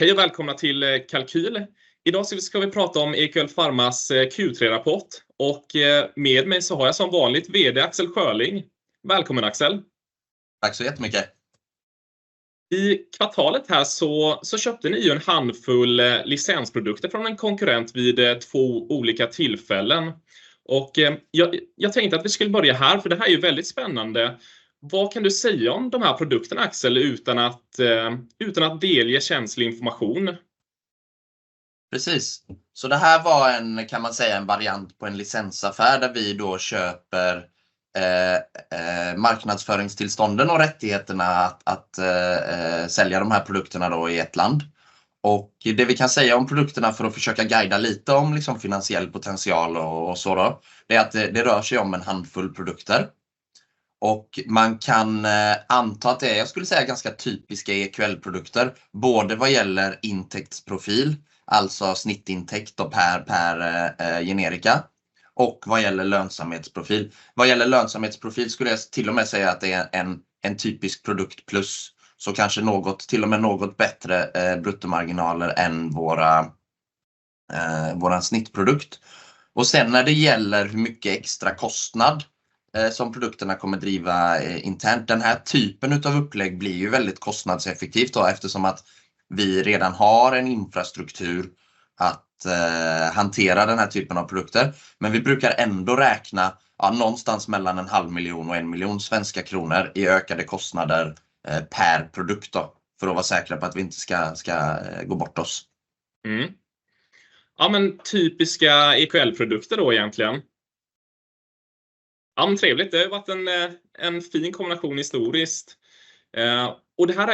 Hej och välkomna till Kalkyl. I dag ska vi prata om EQL Pharmas Q3-rapport, och med mig så har jag som vanligt VD Axel Schörling. Välkommen, Axel. Tack så jättemycket. I kvartalet här så köpte ni ju en handfull licensprodukter från en konkurrent vid två olika tillfällen. Jag tänkte att vi skulle börja här, för det här är ju väldigt spännande. Vad kan du säga om de här produkterna, Axel, utan att delge känslig information? Precis. Så det här var en, kan man säga, en variant på en licensaffär där vi då köper marknadsföringstillstånden och rättigheterna att sälja de här produkterna i ett land. Det vi kan säga om produkterna för att försöka guida lite om finansiell potential är att det rör sig om en handfull produkter. Man kan anta att det är, jag skulle säga, ganska typiska EQL-produkter, både vad gäller intäktsprofil, alltså snittintäkt per generika, och vad gäller lönsamhetsprofil. Vad gäller lönsamhetsprofil skulle jag till och med säga att det är en typisk produktplus, så kanske något, till och med något bättre bruttomarginaler än vår snittprodukt. När det gäller hur mycket extra kostnad som produkterna kommer driva internt, den här typen av upplägg blir väldigt kostnadseffektivt, eftersom att vi redan har en infrastruktur att hantera den här typen av produkter. Men vi brukar ändå räkna någonstans mellan en halv miljon och en miljon svenska kronor i ökade kostnader per produkt då, för att vara säkra på att vi inte ska gå bort oss. Ja, men typiska EQL-produkter då egentligen. Ja, men trevligt. Det har ju varit en fin kombination historiskt. Och det här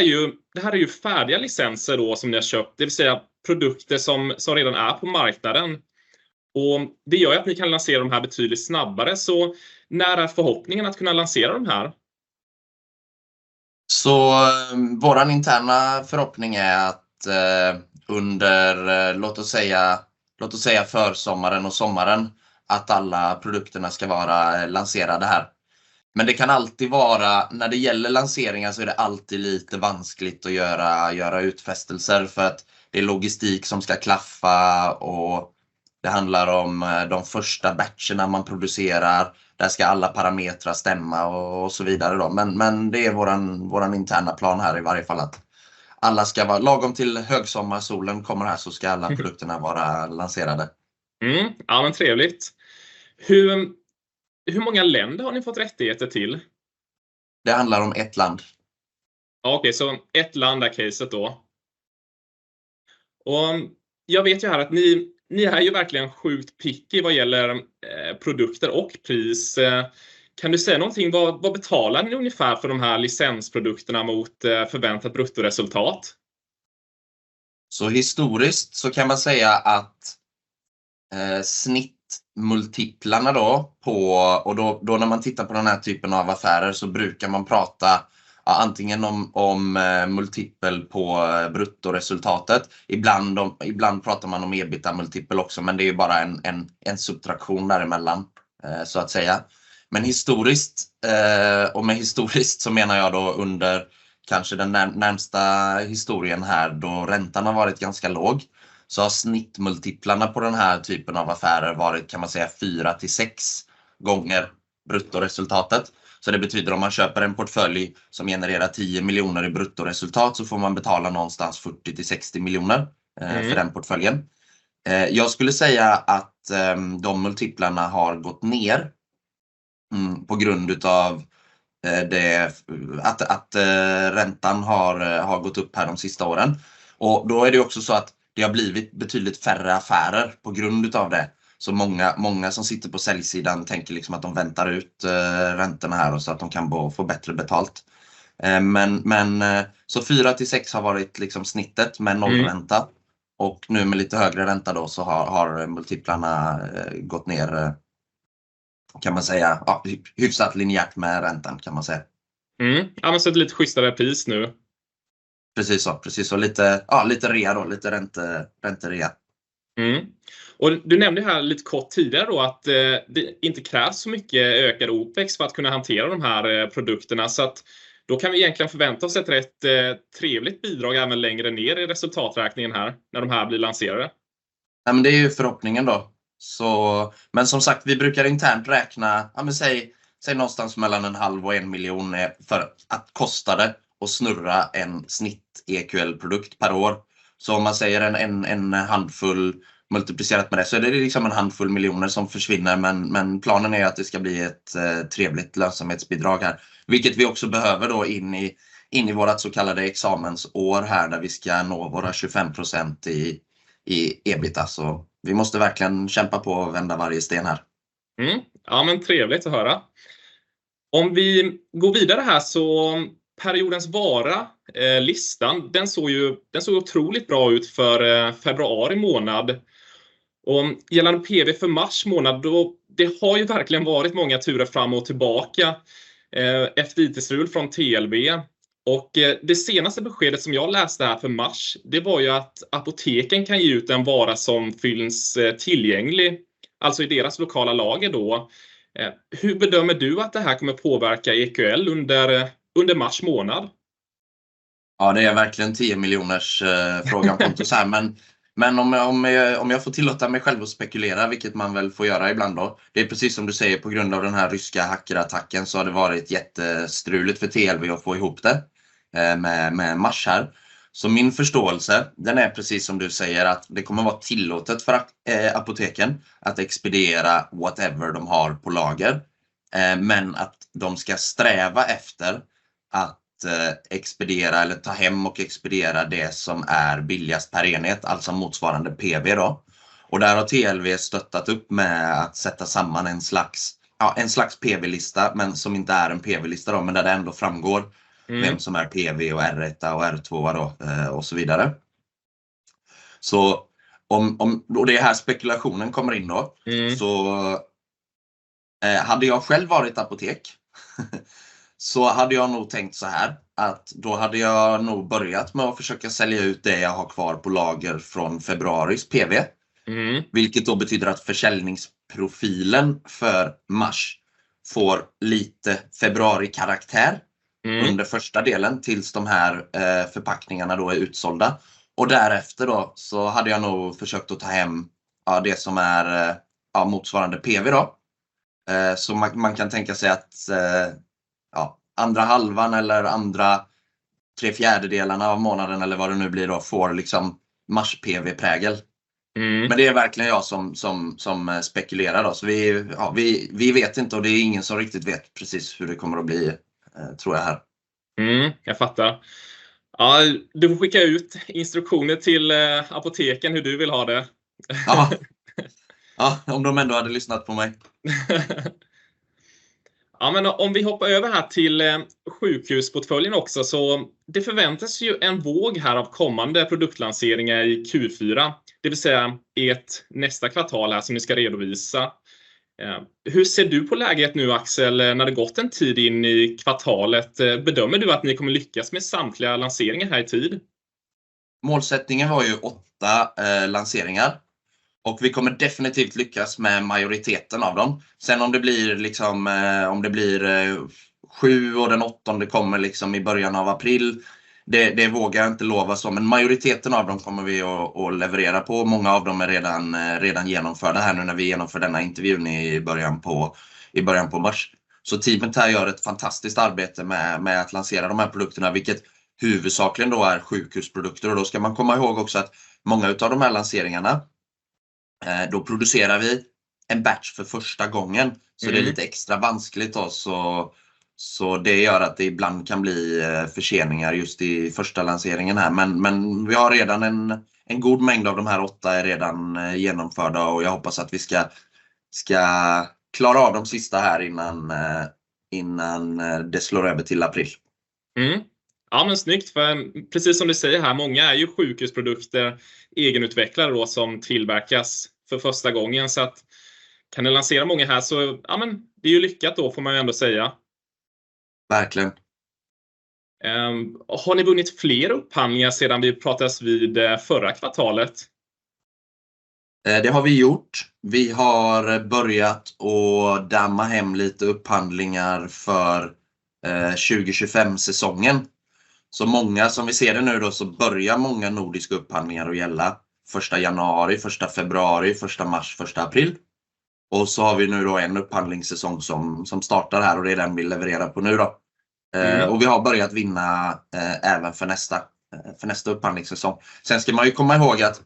är ju färdiga licenser då som ni har köpt, det vill säga produkter som redan är på marknaden. Och det gör ju att ni kan lansera de här betydligt snabbare. Så när är förhoppningen att kunna lansera de här? Så vår interna förhoppning är att under, låt oss säga, försommaren och sommaren att alla produkterna ska vara lanserade här. Men det kan alltid vara, när det gäller lanseringar så är det alltid lite vanskligt att göra utfästelser, för att det är logistik som ska klaffa och det handlar om de första batcherna man producerar. Där ska alla parametrar stämma och så vidare då. Men det är vår interna plan här i varje fall, att alla ska vara lagom till högsommarsolen kommer här så ska alla produkterna vara lanserade. Ja, men trevligt. Hur många länder har ni fått rättigheter till? Det handlar om ett land. Ja, okej. Så ett land är caset då. Och jag vet ju här att ni är ju verkligen sjukt picky vad gäller produkter och pris. Kan du säga någonting? Vad betalar ni ungefär för de här licensprodukterna mot förväntat bruttoresultat? Historiskt kan man säga att snittmultiplarna på, och när man tittar på den här typen av affärer brukar man prata antingen om multipel på bruttoresultatet. Ibland pratar man om EBITDA-multipel också, men det är ju bara en subtraktion däremellan. Men historiskt, och med historiskt menar jag under kanske den närmsta historien här räntan har varit ganska låg, har snittmultiplarna på den här typen av affärer varit fyra till sex gånger bruttoresultatet. Det betyder att om man köper en portfölj som genererar 10 miljoner i bruttoresultat får man betala någonstans 40 till 60 miljoner för den portföljen. Jag skulle säga att de multiplarna har gått ner på grund av att räntan har gått upp här de sista åren. Och då är det ju också så att det har blivit betydligt färre affärer på grund av det. Så många som sitter på säljsidan tänker att de väntar ut räntorna här så att de kan få bättre betalt. Men så fyra till sex har varit snittet med nollränta. Och nu med lite högre ränta så har multiplarna gått ner, kan man säga, hyfsat linjärt med räntan. Ja, men så ett lite schysst pris nu. Precis så. Precis så. Lite, ja, lite rea då. Lite räntereja. Och du nämnde ju här lite kort tidigare då att det inte krävs så mycket ökad OPEX för att kunna hantera de här produkterna. Så då kan vi egentligen förvänta oss ett rätt trevligt bidrag även längre ner i resultaträkningen här när de här blir lanserade. Nej, men det är ju förhoppningen då. Så, men som sagt, vi brukar internt räkna, ja men säg någonstans mellan en halv och en miljon för att kosta det att snurra en snitt-EQL-produkt per år. Så om man säger en handfull multiplicerat med det så är det liksom en handfull miljoner som försvinner. Men planen är ju att det ska bli ett trevligt lönsamhetsbidrag här, vilket vi också behöver då in i vårt så kallade examensår här där vi ska nå våra 25% i EBITDA. Så vi måste verkligen kämpa på och vända varje sten här. Ja, men trevligt att höra. Om vi går vidare här så periodens varalistan, den såg ju otroligt bra ut för februari månad. Och gällande PV för mars månad, då har ju verkligen varit många turer fram och tillbaka efter IT-srul från TLB. Och det senaste beskedet som jag läste här för mars, det var ju att apoteken kan ge ut en vara som fylls tillgänglig, alltså i deras lokala lager då. Hur bedömer du att det här kommer påverka EQL under mars månad? Ja, det är verkligen 10-miljonersfrågan på något sätt. Men om jag får tillåta mig själv att spekulera, vilket man väl får göra ibland då, det är precis som du säger, på grund av den här ryska hackerattacken så har det varit jättestruligt för TLB att få ihop det med mars här. Så min förståelse, den är precis som du säger, att det kommer vara tillåtet för apoteken att expediera whatever de har på lager, men att de ska sträva efter att expediera eller ta hem och expediera det som är billigast per enhet, alltså motsvarande PV då. Och där har TLB stöttat upp med att sätta samman en slags PV-lista, men som inte är en PV-lista då, men där det ändå framgår vem som är PV och R1 och R2 då och så vidare. Om, och det är här spekulationen kommer in då, så hade jag själv varit apotek så hade jag nog tänkt så här att då hade jag nog börjat med att försöka sälja ut det jag har kvar på lager från februaris PV, vilket då betyder att försäljningsprofilen för mars får lite februari-karaktär under första delen tills de här förpackningarna då är utsålda. Därefter då så hade jag nog försökt att ta hem det som är motsvarande PV då. Man kan tänka sig att andra halvan eller andra tre fjärdedelarna av månaden eller vad det nu blir då får liksom mars-PV-prägel. Men det är verkligen jag som spekulerar då. Vi, ja, vi vet inte och det är ingen som riktigt vet precis hur det kommer att bli, tror jag här. Jag fattar. Ja, du får skicka ut instruktioner till apoteken hur du vill ha det. Ja. Ja, om de ändå hade lyssnat på mig. Ja, men om vi hoppar över här till sjukhusportföljen också så det förväntas ju en våg här av kommande produktlanseringar i Q4, det vill säga ert nästa kvartal här som ni ska redovisa. Hur ser du på läget nu, Axel, när det gått en tid in i kvartalet? Bedömer du att ni kommer lyckas med samtliga lanseringar här i tid? Målsättningen var åtta lanseringar och vi kommer definitivt lyckas med majoriteten av dem. Sen om det blir sju och den åttonde kommer i början av april, det vågar jag inte lova, men majoriteten av dem kommer vi att leverera på. Många av dem är redan genomförda här nu när vi genomför denna intervjun i början på mars. Teamet här gör ett fantastiskt arbete med att lansera de här produkterna, vilket huvudsakligen då är sjukhusprodukter. Då ska man komma ihåg också att många av de här lanseringarna, då producerar vi en batch för första gången, så det är lite extra vanskligt då. Det gör att det ibland kan bli förseningar just i första lanseringen här. Men vi har redan en god mängd av de här åtta är redan genomförda och jag hoppas att vi ska klara av de sista här innan det slår över till april. Ja, men snyggt. För precis som du säger här, många är ju sjukhusprodukter, egenutvecklare då, som tillverkas för första gången. Så kan ni lansera många här så, ja men det är ju lyckat då får man ju ändå säga. Verkligen. Har ni vunnit fler upphandlingar sedan vi pratades vid förra kvartalet? Det har vi gjort. Vi har börjat att damma hem lite upphandlingar för 2025-säsongen. Så många som vi ser det nu då så börjar många nordiska upphandlingar att gälla 1 januari, 1 februari, 1 mars, 1 april. Vi har nu då en upphandlingssäsong som startar här och det är den vi levererar på nu då. Vi har börjat vinna även för nästa upphandlingssäsong. Sen ska man ju komma ihåg att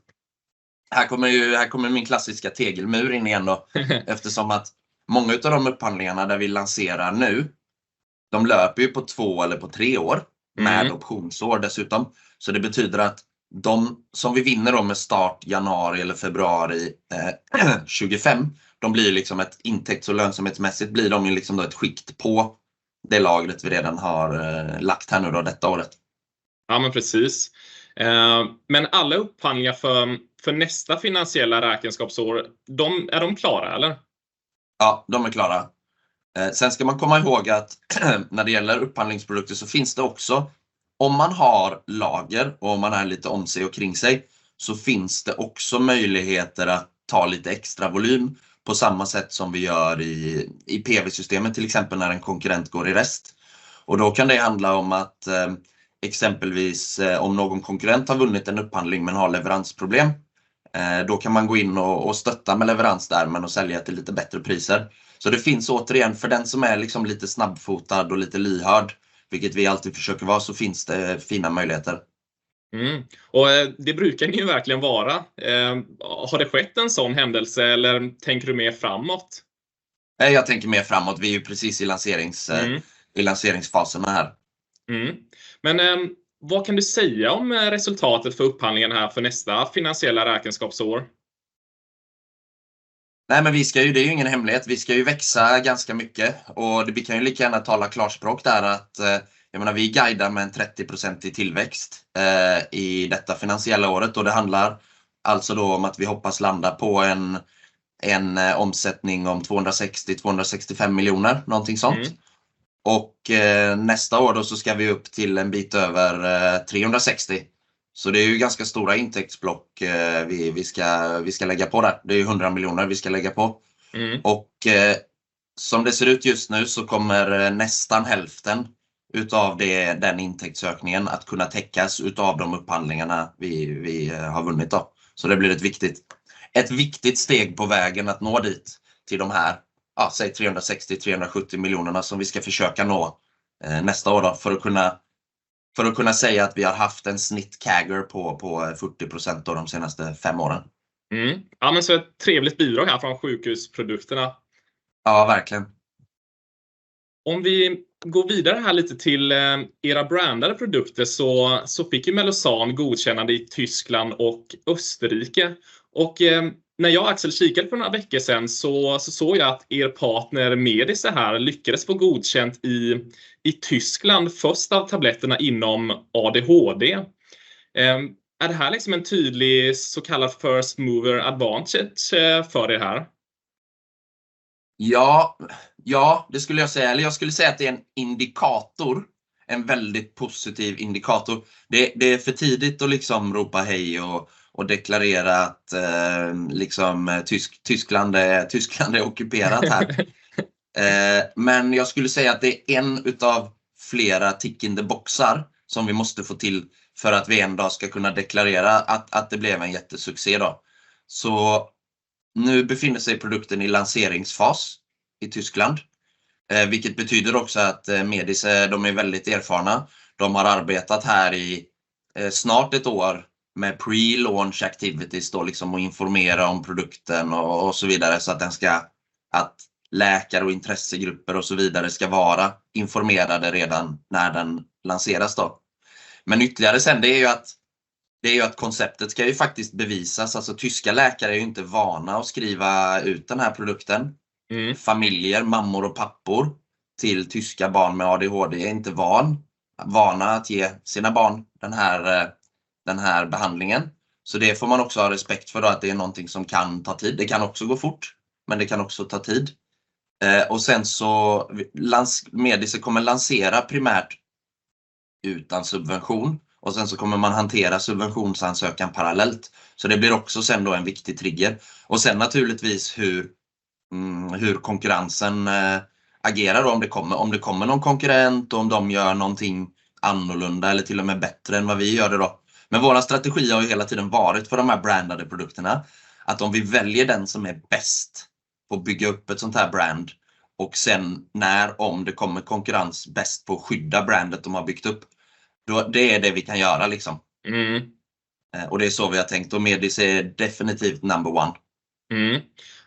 här kommer ju min klassiska tegelmur in igen då, eftersom att många av de upphandlingarna där vi lanserar nu, de löper ju på två eller på tre år med optionsår dessutom. Det betyder att de som vi vinner då med start januari eller februari 2025, de blir ju liksom ett intäkts- och lönsamhetsmässigt blir de ju liksom då ett skikt på det lagret vi redan har lagt här nu då detta året. Ja, men precis. Men alla upphandlingar för nästa finansiella räkenskapsår, de är klara eller? Ja, de är klara. Sen ska man komma ihåg att när det gäller upphandlingsprodukter så finns det också, om man har lager och om man är lite om sig omkring sig, så finns det också möjligheter att ta lite extra volym på samma sätt som vi gör i PV-systemet, till exempel när en konkurrent går i konkurs. Och då kan det handla om att exempelvis om någon konkurrent har vunnit en upphandling men har leveransproblem, då kan man gå in och stötta med leverans där men och sälja till lite bättre priser. Så det finns återigen för den som är liksom lite snabbfotad och lite lyhörd, vilket vi alltid försöker vara, så finns det fina möjligheter. Och det brukar ni ju verkligen vara. Har det skett en sådan händelse eller tänker du mer framåt? Nej, jag tänker mer framåt. Vi är ju precis i lanseringsfaserna här. Men vad kan du säga om resultatet för upphandlingen här för nästa finansiella räkenskapsår? Nej, men vi ska ju, det är ju ingen hemlighet, vi ska ju växa ganska mycket. Vi kan ju lika gärna tala klarspråk där att jag menar vi guidar med en 30% tillväxt i detta finansiella året. Det handlar alltså då om att vi hoppas landa på en omsättning om 260-265 miljoner kronor, någonting sånt. Nästa år då så ska vi upp till en bit över 360. Det är ju ganska stora intäktsblock vi ska lägga på där. Det är ju 100 miljoner vi ska lägga på. Som det ser ut just nu så kommer nästan hälften av den intäktsökningen att kunna täckas av de upphandlingarna vi har vunnit då. Det blir ett viktigt steg på vägen att nå dit till de här 360-370 miljoner som vi ska försöka nå nästa år för att kunna säga att vi har haft en snitt-CAGR på 40% de senaste fem åren. Ja, men så ett trevligt bidrag här från sjukhusprodukterna. Ja, verkligen. Om vi går vidare här lite till era brandade produkter så fick ju Melosan godkännande i Tyskland och Österrike. Och när jag och Axel kikade för några veckor sedan så såg jag att partner Medice här lyckades få godkänt i Tyskland först av tabletterna inom ADHD. Är det här liksom en tydlig så kallad first mover advantage för er? Ja, ja, det skulle jag säga. Eller jag skulle säga att det är en indikator, en väldigt positiv indikator. Det är för tidigt att ropa hej och deklarera att Tyskland är ockuperat här. Men jag skulle säga att det är en av flera tick in the boxar som vi måste få till för att vi en dag ska kunna deklarera att det blev en jättesuccé då. Så nu befinner sig produkten i lanseringsfas i Tyskland, vilket betyder också att Medice, de är väldigt erfarna. De har arbetat här i snart ett år med pre-launch activities då, att informera om produkten och så vidare så att den ska, att läkare och intressegrupper och så vidare ska vara informerade redan när den lanseras då. Men ytterligare sen, det är att konceptet ska faktiskt bevisas. Alltså, tyska läkare är ju inte vana att skriva ut den här produkten. Familjer, mammor och pappor till tyska barn med ADHD är inte vana att ge sina barn den här behandlingen. Så det får man också ha respekt för då, att det är någonting som kan ta tid. Det kan också gå fort, men det kan också ta tid. Medice kommer lansera primärt utan subvention och sen så kommer man hantera subventionsansökan parallellt. Så det blir också sen då en viktig trigger. Naturligtvis hur konkurrensen agerar då om det kommer någon konkurrent och om de gör någonting annorlunda eller till och med bättre än vad vi gör det då. Men vår strategi har ju hela tiden varit för de här brandade produkterna att om vi väljer den som är bäst på att bygga upp ett sådant här brand och sen när det kommer konkurrens bäst på att skydda brandet de har byggt upp, då det är det vi kan göra liksom. Och det är så vi har tänkt och Medice är definitivt number one.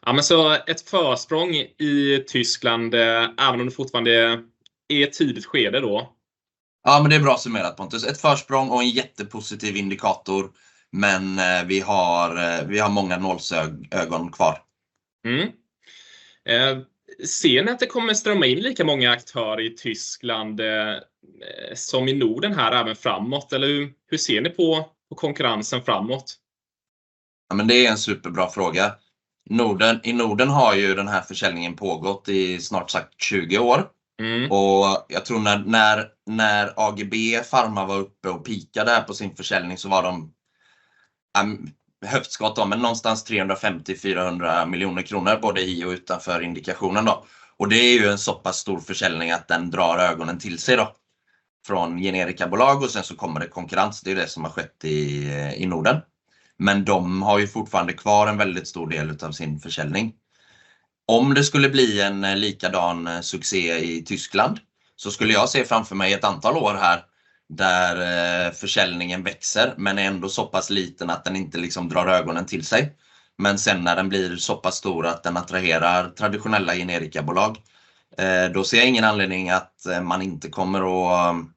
Ja, men så ett försprång i Tyskland, även om det fortfarande är ett tidigt skede då. Ja, men det är bra summerat, Pontus. Ett försprång och en jättepositiv indikator. Men vi har många nollsögon kvar. Ser ni att det kommer strömma in lika många aktörer i Tyskland som i Norden här även framåt eller hur ser ni på konkurrensen framåt? Ja, men det är en superbra fråga. I Norden har ju den här försäljningen pågått i snart sagt 20 år. Jag tror när AGB Pharma var uppe och peakade här på sin försäljning så var de, ja höftskott då, men någonstans 350-400 miljoner kronor både i och utanför indikationen då. Det är ju en så pass stor försäljning att den drar ögonen till sig då från generikabolag och sen så kommer det konkurrens. Det är ju det som har skett i Norden. Men de har ju fortfarande kvar en väldigt stor del av sin försäljning. Om det skulle bli en likadan succé i Tyskland så skulle jag se framför mig ett antal år här där försäljningen växer men är ändå så pass liten att den inte liksom drar ögonen till sig. Men sen när den blir så pass stor att den attraherar traditionella generikabolag, då ser jag ingen anledning att man inte kommer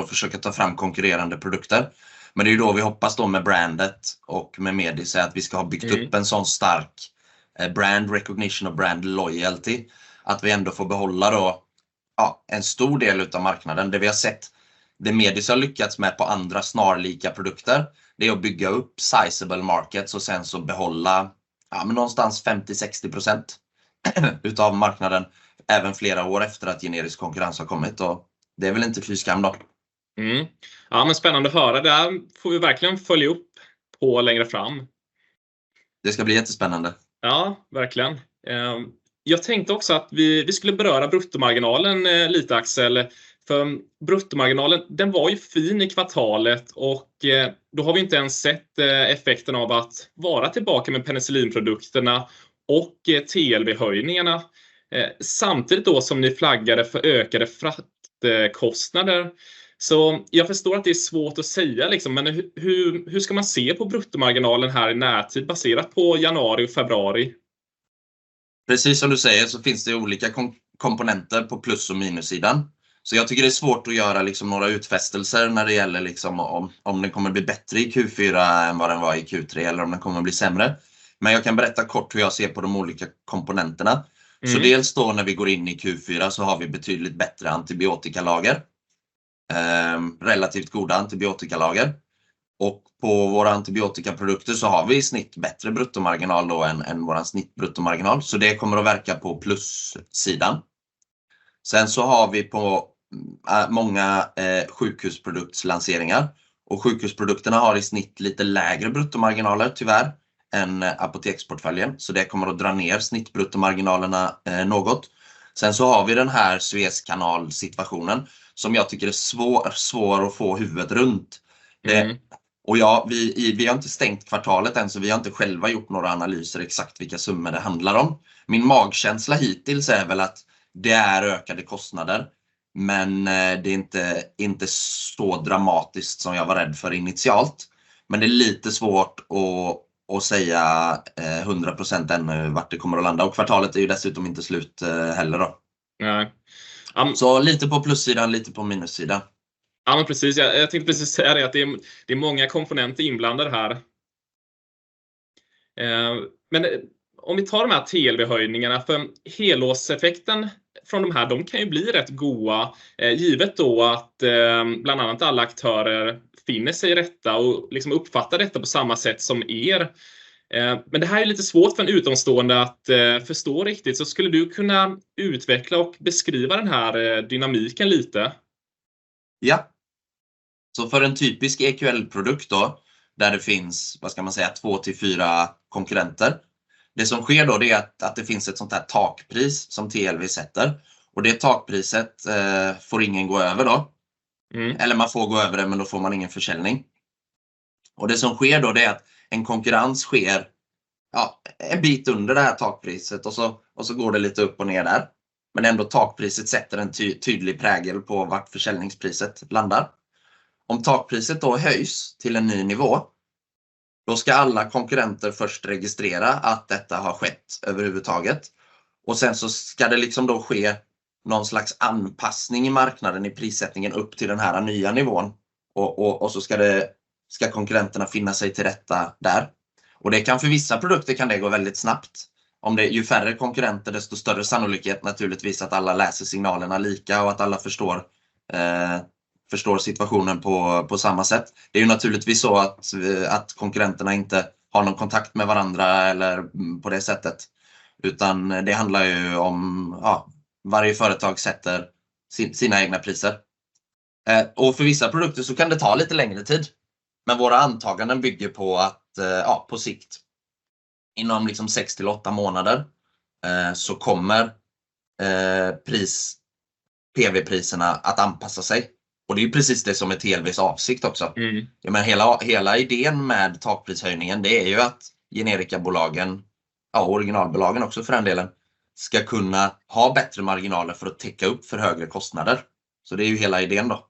att försöka ta fram konkurrerande produkter. Men det är ju då vi hoppas med brandet och med Medice att vi ska ha byggt upp en sådan stark brand recognition och brand loyalty att vi ändå får behålla en stor del av marknaden. Det vi har sett, det Medice har lyckats med på andra snarlika produkter, det är att bygga upp sizable markets och sen behålla någonstans 50-60% av marknaden även flera år efter att generisk konkurrens har kommit. Och det är väl inte fy skam då. Ja, men spännande att höra där. Får vi verkligen följa upp på längre fram? Det ska bli jättespännande. Ja, verkligen. Jag tänkte också att vi skulle beröra bruttomarginalen lite, Axel. För bruttomarginalen, den var ju fin i kvartalet och då har vi ju inte ens sett effekten av att vara tillbaka med penicillinprodukterna och TLV-höjningarna. Samtidigt då som ni flaggade för ökade fraktkostnader. Så jag förstår att det är svårt att säga, men hur ska man se på bruttomarginalen här i närtid baserat på januari och februari? Precis som du säger så finns det ju olika komponenter på plus- och minussidan. Så jag tycker det är svårt att göra några utfästelser när det gäller om den kommer bli bättre i Q4 än vad den var i Q3 eller om den kommer bli sämre. Men jag kan berätta kort hur jag ser på de olika komponenterna. Dels då när vi går in i Q4 så har vi betydligt bättre antibiotikalager, relativt goda antibiotikalager. Och på våra antibiotikaprodukter så har vi i snitt bättre bruttomarginal då än vår snittbruttomarginal. Det kommer att verka på plussidan. Sen så har vi många sjukhusproduktslanseringar. Och sjukhusprodukterna har i snitt lite lägre bruttomarginaler tyvärr än apoteksportföljen. Det kommer att dra ner snittbruttomarginalerna något. Sen så har vi den här sveskanalsituationen som jag tycker är svår att få huvudet runt. Och ja, vi har inte stängt kvartalet än så vi har inte själva gjort några analyser exakt vilka summor det handlar om. Min magkänsla hittills är väl att det är ökade kostnader. Men det är inte så dramatiskt som jag var rädd för initialt. Men det är lite svårt att säga 100% ännu vart det kommer att landa. Och kvartalet är ju dessutom inte slut heller då. Nej. Ja, så lite på plussidan, lite på minussidan. Ja, men precis. Jag tänkte precis säga det att det är många komponenter inblandade här. Men om vi tar de här TLV-höjningarna, för helårseffekten från de här, de kan ju bli rätt bra, givet då att bland annat alla aktörer finner sig till rätta och uppfattar detta på samma sätt. Men det här är ju lite svårt för en utomstående att förstå riktigt. Så skulle du kunna utveckla och beskriva den här dynamiken lite? Ja. Så för en typisk EQL-produkt då, där det finns, vad ska man säga, två till fyra konkurrenter. Det som sker då, det är att det finns ett sådant här takpris som TLV sätter. Takpriset får ingen gå över då, eller man får gå över det men då får man ingen försäljning. Det som sker då, det är att en konkurrens sker, ja, en bit under det här takpriset och så går det lite upp och ner där. Men ändå, takpriset sätter en tydlig prägel på var försäljningspriset landar. Om takpriset då höjs till en ny nivå, då ska alla konkurrenter först registrera att detta har skett överhuvudtaget. Sen så ska det ske någon slags anpassning i marknaden, i prissättningen upp till den här nya nivån. Konkurrenterna ska finna sig till rätta där. Och det kan för vissa produkter kan det gå väldigt snabbt. Om det är ju färre konkurrenter, desto större sannolikhet naturligtvis att alla läser signalerna lika och att alla förstår situationen på samma sätt. Det är ju naturligtvis så att konkurrenterna inte har någon kontakt med varandra eller på det sättet. Utan det handlar ju om att varje företag sätter sina egna priser, och för vissa produkter så kan det ta lite längre tid. Men våra antaganden bygger på att på sikt, inom sex till åtta månader, så kommer PV-priserna att anpassa sig. Och det är ju precis det som är TLV:s avsikt också. Jag menar hela idén med takprishöjningen, det är ju att generikabolagen, originalbolagen också för den delen, ska kunna ha bättre marginaler för att täcka upp för högre kostnader. Så det är ju hela idén då.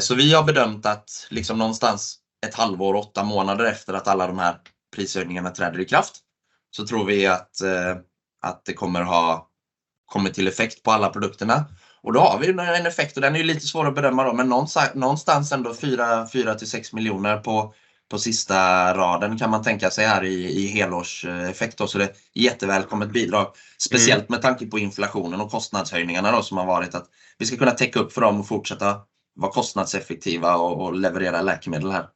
Så vi har bedömt att liksom någonstans ett halvår, åtta månader efter att alla de här prishöjningarna träder i kraft, så tror vi att det kommer ha kommit till effekt på alla produkterna. Då har vi ju en effekt och den är ju lite svår att bedöma då. Men någonstans ändå fyra till sex miljoner på sista raden kan man tänka sig här i helårseffekt då. Det är jättevälkommet bidrag, speciellt med tanke på inflationen och kostnadshöjningarna som har varit. Att vi ska kunna täcka upp för dem och fortsätta vara kostnadseffektiva och leverera läkemedel här.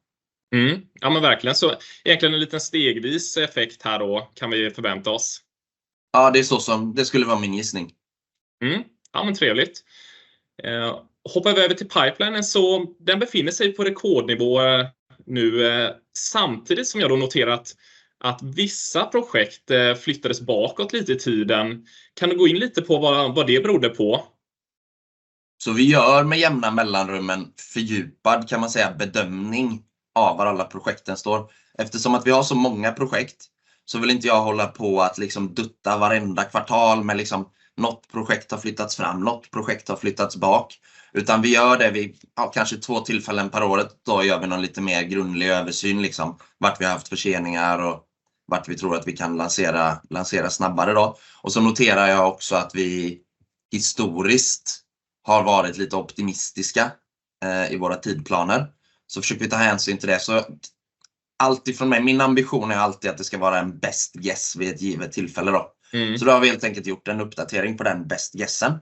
Ja men verkligen. Så egentligen en liten stegvis effekt här då kan vi förvänta oss. Ja, det är så som det skulle vara min gissning. Ja men trevligt. Hoppar vi över till pipelinen så den befinner sig på rekordnivå nu, samtidigt som jag då noterar att vissa projekt flyttades bakåt lite i tiden. Kan du gå in lite på vad det berodde på? Vi gör med jämna mellanrum en fördjupad bedömning av var alla projekten står. Eftersom vi har så många projekt vill jag inte hålla på att dutta varenda kvartal med att något projekt har flyttats fram, något projekt har flyttats bak. Utan vi gör det vid kanske två tillfällen per år. Då gör vi någon lite mer grundlig översyn av vart vi har haft förseningar och vart vi tror att vi kan lansera snabbare. Jag noterar också att vi historiskt har varit lite optimistiska i våra tidplaner, så försöker vi ta hänsyn till det. Alltifrån mig, min ambition är alltid att det ska vara en best guess vid ett givet tillfälle. Vi har helt enkelt gjort en uppdatering på den best guessen.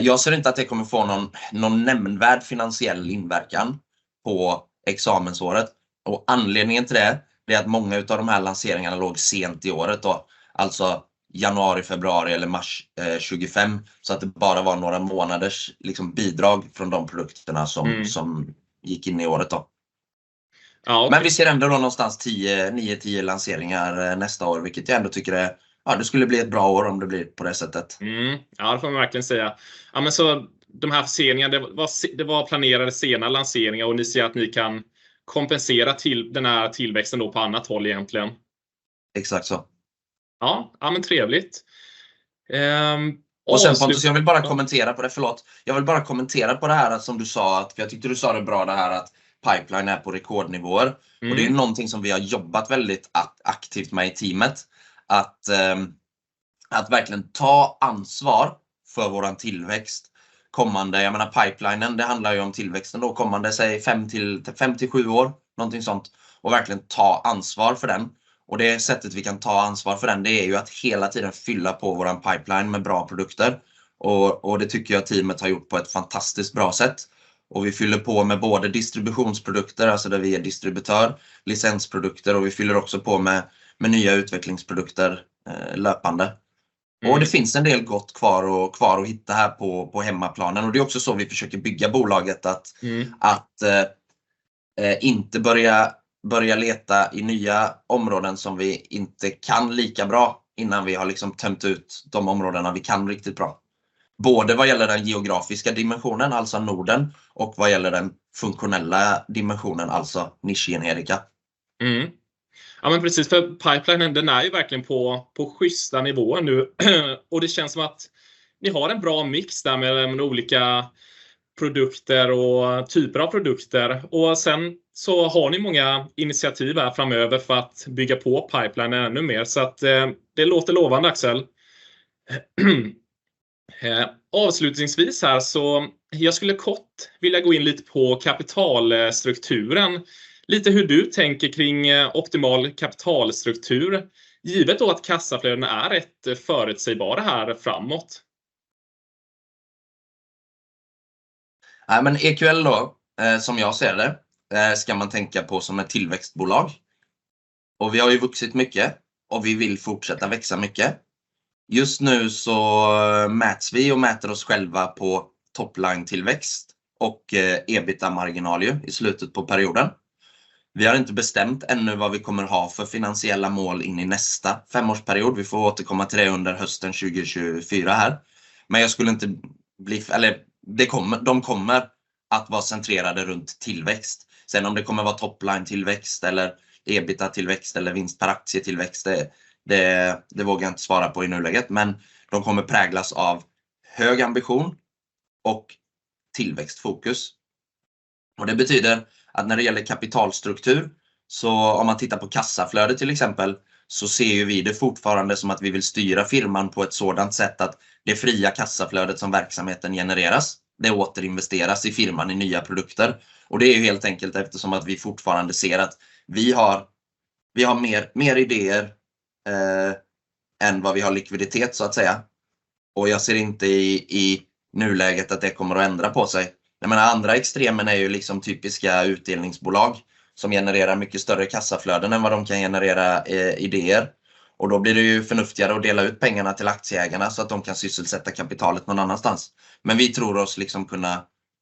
Jag ser inte att det kommer få någon nämnvärd finansiell inverkan på examensåret. Och anledningen till det, det är att många av de här lanseringarna låg sent i året då. Alltså januari, februari eller mars 2025. Så att det bara var några månaders bidrag från de produkterna som gick in i året då. Ja, men vi ser ändå då någonstans nio till tio lanseringar nästa år. Vilket jag ändå tycker är, ja det skulle bli ett bra år om det blir på det sättet. Ja det får man verkligen säga. Ja men så de här förseningarna, det var planerade sena lanseringar och ni ser att ni kan kompensera till den här tillväxten då på annat håll egentligen. Exactly so. Ja, ja men trevligt. Och sen Pontus, jag vill bara kommentera på det. Förlåt, jag vill bara kommentera på det här som du sa. För jag tyckte du sa det bra, det här att pipelinen är på rekordnivåer. Och det är ju någonting som vi har jobbat väldigt aktivt med i teamet. Att verkligen ta ansvar för vår tillväxt kommande. Jag menar pipelinen, det handlar ju om tillväxten då. Kommande säg fem till sju år. Någonting sånt. Och verkligen ta ansvar för den. Och det sättet vi kan ta ansvar för den, det är ju att hela tiden fylla på vår pipeline med bra produkter. Och det tycker jag teamet har gjort på ett fantastiskt bra sätt. Och vi fyller på med både distributionsprodukter, alltså där vi är distributör. Licensprodukter. Och vi fyller också på med nya utvecklingsprodukter löpande. Och det finns en del gott kvar att hitta här på hemmaplanen. Och det är också så vi försöker bygga bolaget. Att inte börja leta i nya områden som vi inte kan lika bra innan vi har tömt ut de områdena vi kan riktigt bra. Både vad gäller den geografiska dimensionen, alltså Norden. Och vad gäller den funktionella dimensionen, alltså nischgenerika. Ja men precis. För pipelinen, den är ju verkligen på schyssta nivåer nu. Det känns som att ni har en bra mix där med de olika produkter och typer av produkter. Sen så har ni många initiativ här framöver för att bygga på pipelinen ännu mer. Det låter lovande, Axel. Avslutningsvis här så skulle jag kort vilja gå in lite på kapitalstrukturen. Lite hur du tänker kring optimal kapitalstruktur. Givet då att kassaflödena är rätt förutsägbara här framåt. Nej men EQL då, som jag ser det, ska man tänka på som ett tillväxtbolag. Vi har vuxit mycket och vi vill fortsätta växa mycket. Just nu så mäts vi och mäter oss själva på topline-tillväxt och EBITDA-marginal i slutet på perioden. Vi har inte bestämt ännu vad vi kommer ha för finansiella mål in i nästa femårsperiod. Vi får återkomma till det under hösten 2024 här. Men jag skulle inte bli, eller det kommer, de kommer att vara centrerade runt tillväxt. Sen om det kommer vara topline-tillväxt eller EBITDA-tillväxt eller vinst per aktie-tillväxt, det vågar jag inte svara på i nuläget. Men de kommer präglas av hög ambition och tillväxtfokus. Och det betyder att när det gäller kapitalstruktur så om man tittar på kassaflödet till exempel, så ser vi det fortfarande som att vi vill styra firman på ett sådant sätt att det fria kassaflödet som verksamheten genererar, det återinvesteras i firman i nya produkter. Och det är helt enkelt eftersom att vi fortfarande ser att vi har mer idéer än vad vi har likviditet så att säga. Och jag ser inte i nuläget att det kommer att ändra på sig. Jag menar andra extremen är ju typiska utdelningsbolag som genererar mycket större kassaflöden än vad de kan generera idéer. Och då blir det förnuftigare att dela ut pengarna till aktieägarna så att de kan sysselsätta kapitalet någon annanstans. Men vi tror oss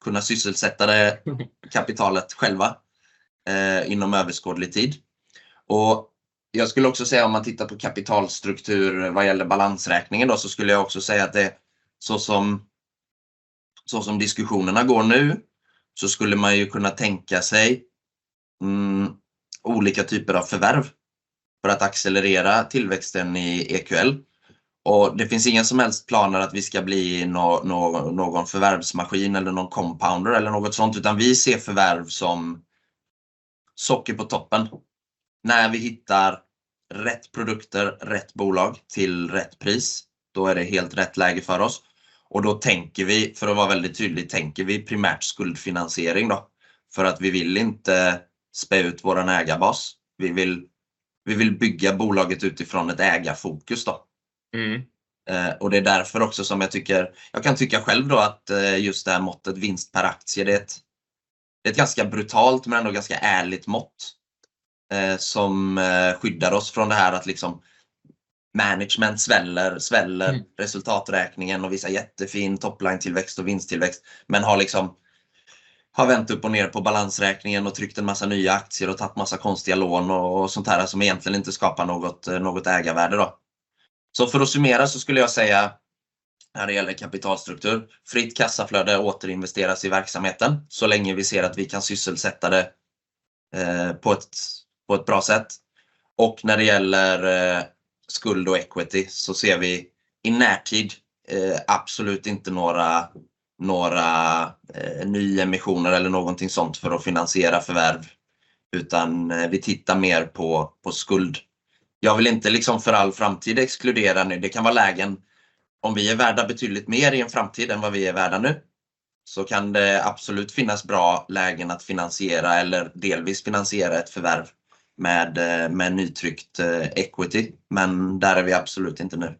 kunna sysselsätta det kapitalet själva inom överskådlig tid. Och jag skulle också säga om man tittar på kapitalstruktur vad gäller balansräkningen då, så skulle jag också säga att det är så som diskussionerna går nu, så skulle man ju kunna tänka sig olika typer av förvärv för att accelerera tillväxten i EQL. Och det finns inga som helst planer att vi ska bli någon förvärvsmaskin eller någon compounder eller något sånt. Utan vi ser förvärv som socker på toppen. När vi hittar rätt produkter, rätt bolag till rätt pris, då är det helt rätt läge för oss. Och då tänker vi, för att vara väldigt tydlig, tänker vi primärt skuldfinansiering då. För att vi vill inte spä ut vår ägarbas. Vi vill bygga bolaget utifrån ett ägarfokus då. Och det är därför också som jag tycker, jag kan tycka själv då att just det här måttet vinst per aktie, det är ett ganska brutalt men ändå ganska ärligt mått som skyddar oss från det här att management sväller resultaträkningen och visar jättefin topline-tillväxt och vinsttillväxt. Men har vänt upp och ner på balansräkningen och tryckt en massa nya aktier och tagit massa konstiga lån och sånt här som egentligen inte skapar något ägarvärde då. För att summera så skulle jag säga när det gäller kapitalstruktur, fritt kassaflöde återinvesteras i verksamheten så länge vi ser att vi kan sysselsätta det på ett bra sätt. När det gäller skuld och equity så ser vi i närtid absolut inte några nyemissioner eller någonting sånt för att finansiera förvärv. Utan vi tittar mer på skuld. Jag vill inte liksom för all framtid exkludera nu. Det kan vara lägen, om vi är värda betydligt mer i en framtid än vad vi är värda nu, så kan det absolut finnas bra lägen att finansiera eller delvis finansiera ett förvärv med nytryckt equity. Men där är vi absolut inte nu.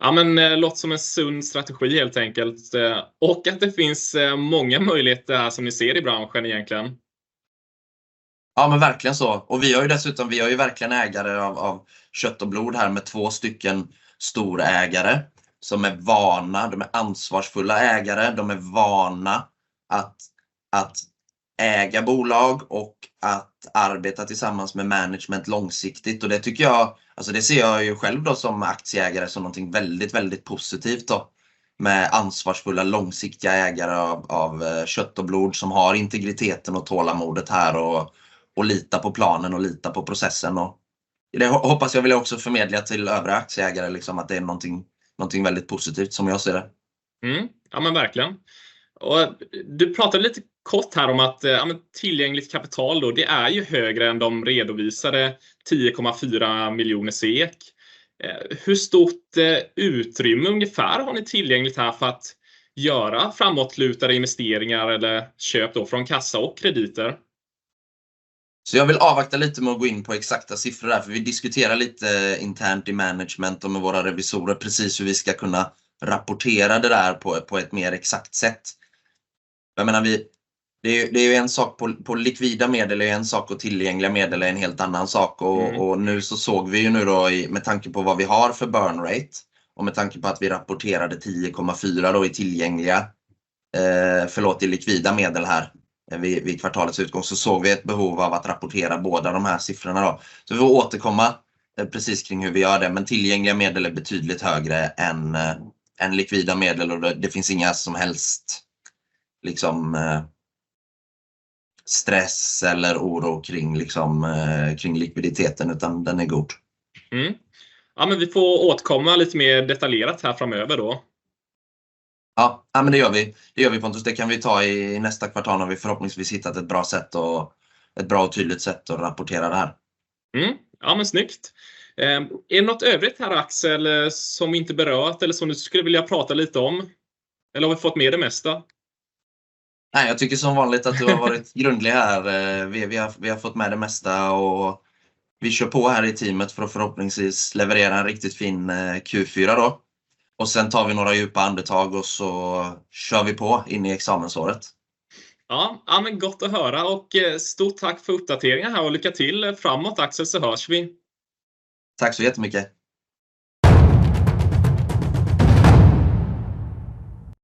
Ja men låter som en sund strategi helt enkelt. Och att det finns många möjligheter här som ni ser i branschen egentligen. Ja men verkligen så. Vi har ju dessutom verkligen ägare av kött och blod här med två stycken storägare som är vana. De är ansvarsfulla ägare. De är vana att äga bolag och att arbeta tillsammans med management långsiktigt. Det tycker jag, alltså det ser jag ju själv då som aktieägare som någonting väldigt väldigt positivt då. Med ansvarsfulla långsiktiga ägare av kött och blod som har integriteten och tålamodet här och litar på planen och litar på processen. Det hoppas jag vill jag också förmedla till övriga aktieägare liksom att det är någonting väldigt positivt som jag ser det. Ja men verkligen. Och du pratade lite kort här om att ja men tillgängligt kapital då, det är ju högre än de redovisade 10,4 miljoner SEK. Hur stort utrymme ungefär har ni tillgängligt här för att göra framåtlutade investeringar eller köp då från kassa och krediter? Så jag vill avvakta lite med att gå in på exakta siffror där. För vi diskuterar lite internt i management och med våra revisorer precis hur vi ska kunna rapportera det där på ett mer exakt sätt. Jag menar vi, det är ju en sak på likvida medel är ju en sak och tillgängliga medel är en helt annan sak. Nu såg vi ju med tanke på vad vi har för burn rate och med tanke på att vi rapporterade 10,4 då i tillgängliga förlåt i likvida medel här vid kvartalets utgång så såg vi ett behov av att rapportera båda de här siffrorna då. Vi får återkomma precis kring hur vi gör det. Men tillgängliga medel är betydligt högre än likvida medel och det finns inga som helst stress eller oro kring likviditeten utan den är god. Ja men vi får återkomma lite mer detaljerat här framöver då. Ja. Ja men det gör vi. Det gör vi Pontus. Det kan vi ta i nästa kvartal när vi förhoppningsvis hittat ett bra sätt och ett bra och tydligt sätt att rapportera det här. Ja men snyggt. Är det något övrigt här Axel som vi inte berört eller som du skulle vilja prata lite om? Eller har vi fått med det mesta? Nej. Jag tycker som vanligt att du har varit grundlig här. Vi har fått med det mesta och vi kör på här i teamet för att förhoppningsvis leverera en riktigt fin Q4 då. Och sen tar vi några djupa andetag och så kör vi på in i examensåret. Ja. Ja men gott att höra och stort tack för uppdateringarna här och lycka till framåt Axel så hörs vi. Tack så jättemycket.